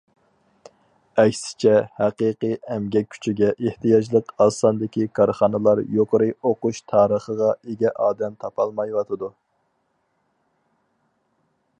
ئەكسىچە، ھەقىقىي ئەمگەك كۈچىگە ئېھتىياجلىق ئاز ساندىكى كارخانىلار يۇقىرى ئوقۇش تارىخىغا ئىگە ئادەم تاپالمايۋاتىدۇ.